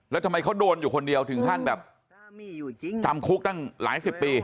แล้วทำไมเขาโดนอยู่คนเดียวถึงขั้นแบบจำคุกตั้งหลายสิบปี